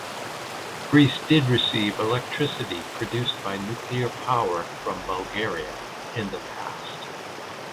Greece did receive electricity produced by nuclear power from Bulgaria in the past.